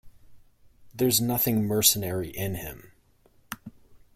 There is nothing mercenary in him.